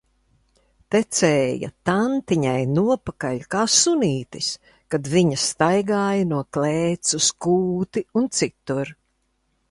Tecēja tantiņai nopakaļ kā sunītis, kad viņa staigāja no klēts uz kūti un citur.